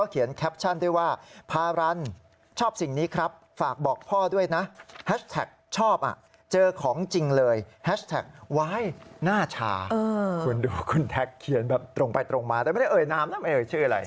เขียนแบบตรงไปตรงมาแต่ไม่ได้เอ่ยน้ำนะไม่ได้เอ่ยชื่ออะไร